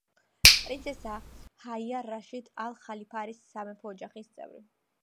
პრინცესა ჰაია რაშიდ ალ-ხალიფა არის სამეფო ოჯახის წევრი.